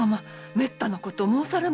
めったなことを申されますな！